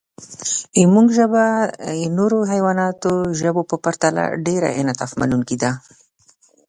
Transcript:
زموږ ژبه د نورو حیواناتو د ژبو په پرتله ډېر انعطافمنونکې ده.